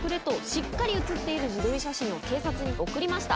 しっかり写っている自撮り写真を警察に送りました。